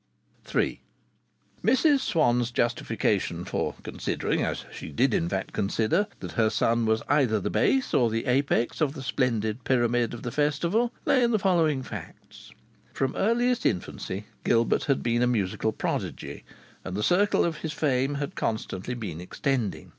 III Mrs Swann's justification for considering (as she in fact did consider) that her son was either the base or the apex of the splendid pyramid of the Festival lay in the following facts: From earliest infancy Gilbert had been a musical prodigy, and the circle of his fame had constantly been extending.